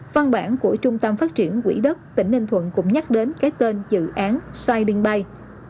văn bản của trung tâm phát triển quỹ đất tỉnh ninh thuận cũng nhắc đến cái tên dự án saiden bay